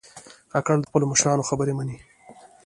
کاکړ د خپلو مشرانو خبرې منې.